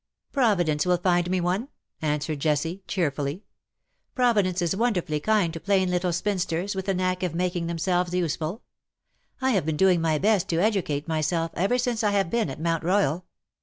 ^'" Providence will find me one,^^ answered Jessie, IX SOCIETY. 183 cheerfully. ^^ Providence is wonderfully kind to plain little spinsters witli a knack of making them selves useful. I have been doing my best to educate myself ever since I have been at Mount Royal.